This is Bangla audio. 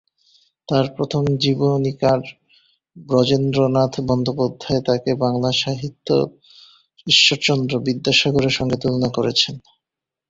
তার প্রথম জীবনীকার ব্রজেন্দ্রনাথ বন্দ্যোপাধ্যায় তাকে বাংলা সাহিত্যে ঈশ্বরচন্দ্র বিদ্যাসাগরের সংগে তুলনা করেছেন।